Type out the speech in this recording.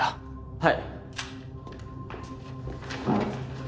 はい。